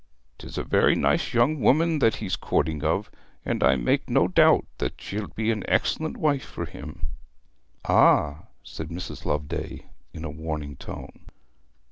... 'Tis a very nice young woman that he's a courting of, and I make no doubt that she'll be an excellent wife for him.' 'Ah!' said Mrs. Loveday, in a warning tone.